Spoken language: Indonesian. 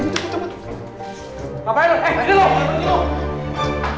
ngapain lo eh di lu